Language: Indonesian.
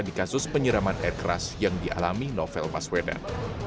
di kasus penyeraman air keras yang dialami novel baswedan